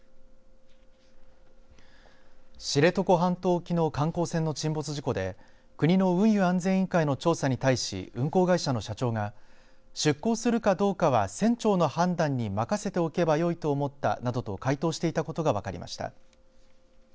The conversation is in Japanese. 知床半島沖の観光船の沈没事故で国の運輸安全委員会の調査に対し運航会社の社長が出航するかどうかは船長の判断に任せておけばよいと思ったなどと回答していたことが分かりました。